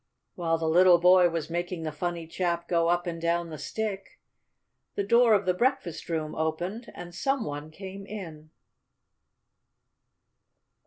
While the little boy was making the funny chap go up and down the stick, the door of the breakfast room opened and some one came in.